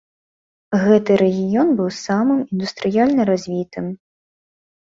Гэты рэгіён быў самым індустрыяльна развітым.